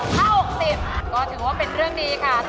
ถ้า๖๐ก็ถือว่าเป็นเรื่องดีค่ะ